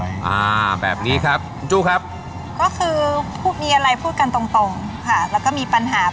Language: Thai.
และก็แก้ไข